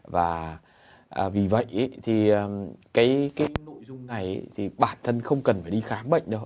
và vì vậy thì cái nội dung này thì bản thân không cần phải đi khám bệnh đâu